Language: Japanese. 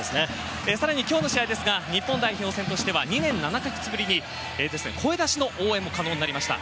更に今日の試合ですが日本代表戦としては２年７か月ぶりに声出しの応援が可能となりました。